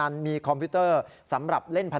อันนี้ก่อนนี้ก็คือสีบองสี่